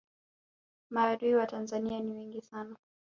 maadui wa tanzania ni wengi sana